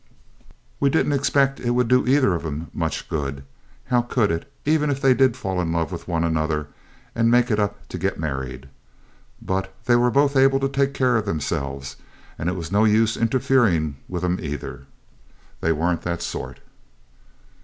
We didn't expect it would do either of 'em much good. How could it, even if they did fall in love with one another and make it up to get married? But they were both able to take care of themselves, and it was no use interfering with 'em either. They weren't that sort.